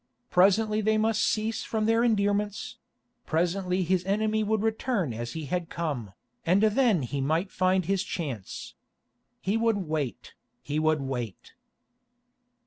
Presently they must cease from their endearments; presently his enemy would return as he had come, and then he might find his chance. He would wait, he would wait.